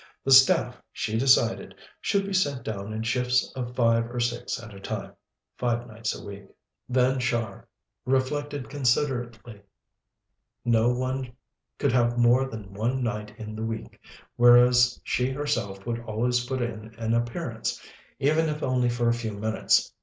The staff, she decided, should be sent down in shifts of five or six at a time, five nights a week. Then, Char reflected considerately, no one could have more than one night in the week, whereas she herself would always put in an appearance, even if only for a few minutes.